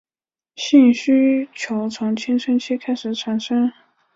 性需求从青春期开始产生。